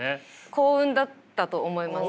幸運だったと思います。